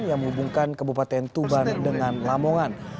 yang menghubungkan kabupaten tuban dengan lamongan